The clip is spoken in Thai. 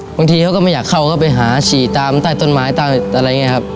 เขาก็ไม่อยากเข้าก็ไปหาฉี่ตามใต้ต้นไม้ใต้อะไรอย่างนี้ครับ